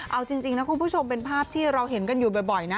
เอาจริงนะคุณผู้ชมเป็นภาพที่เราเห็นกันอยู่บ่อยนะ